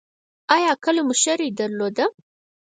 ایا کله مو شری درلوده؟